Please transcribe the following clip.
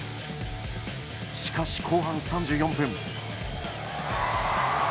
しかし、後半３４分。